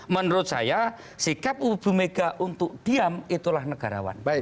menurut saya sikap bu mega untuk diam itulah negarawan